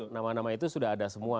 nama nama itu sudah ada semua